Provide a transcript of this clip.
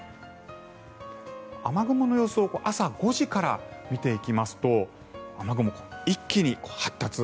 雨雲の様子を朝５時から見ていきますと雨雲、一気に発達。